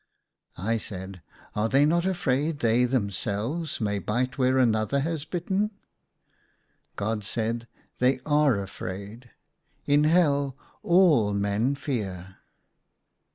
I said, " Are they not afraid they themselves may bite where another has bitten ?" God said, " They are afraid. In Hell all men fear."